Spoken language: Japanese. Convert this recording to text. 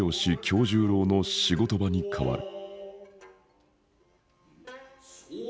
今日十郎の仕事場に変わる。